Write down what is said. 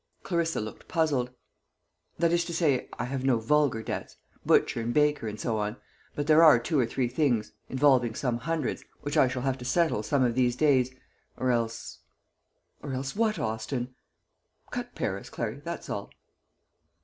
Clarissa looked puzzled. "That is to say, I have no vulgar debts butcher and baker, and so on; but there are two or three things, involving some hundreds, which I shall have to settle some of these days or else " "Or else what, Austin?" "Cut Paris, Clary, that's all."